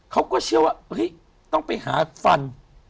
เขาก็เชื่อว่าเฮ้ยต้องไปหาฟัน